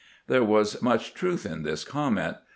'" There was much truth in this comment.